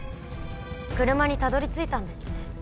車にたどり着いたんですね。